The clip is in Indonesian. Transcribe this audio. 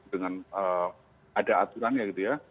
dengan ada aturan ya gitu ya